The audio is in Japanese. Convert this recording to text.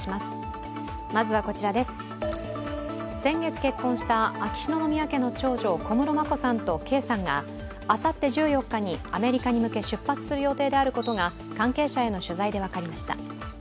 先月結婚した秋篠宮家の長女、小室眞子さんと圭さんがあさって１４日にアメリカに向け出発する予定であることが関係者への取材で分かりました。